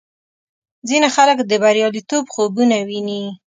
ځینې خلک د بریالیتوب خوبونه ویني.